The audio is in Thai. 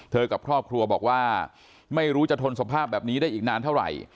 กับครอบครัวบอกว่าไม่รู้จะทนสภาพแบบนี้ได้อีกนานเท่าไหร่